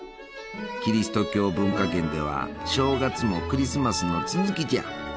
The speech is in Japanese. キリスト教文化圏では正月もクリスマスの続きじゃ。